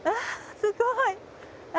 すごい！